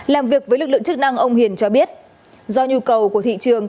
làm việc với lực lượng chức năng ông hiền cho biết do nhu cầu của thị trường